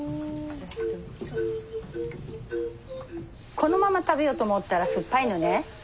このまま食べようと思ったら酸っぱいのね。